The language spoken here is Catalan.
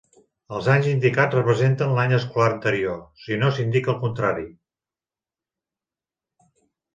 Els anys indicats representen l'any escolar anterior, si no s'indica el contrari.